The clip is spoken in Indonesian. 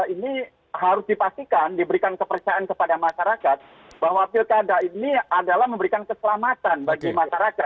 ini harus dipastikan diberikan kepercayaan kepada masyarakat bahwa pilkada ini adalah memberikan keselamatan bagi masyarakat